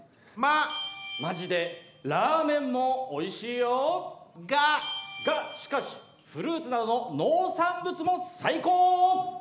マジでラーメンもおいしいよ。がしかしフルーツなどの農産物も最高！